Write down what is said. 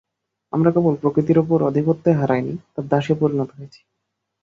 আমরা কেবল প্রকৃতির ওপর আধিপত্যই হারাইনি, তার দাসে পরিণত হয়েছি।